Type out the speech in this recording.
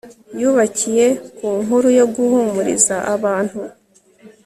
yubakiye ku nkuru yo guhumuriza abantu